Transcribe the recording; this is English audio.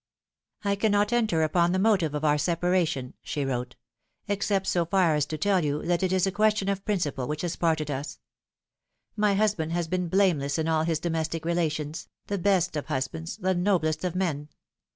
" I cannot enter upon the motive of our separation," she wrote, " except so far as to tell you that it is a question of principle which has parted us. My husband has been blameless in all his domestic relations, the best of husbands, the noblest of men.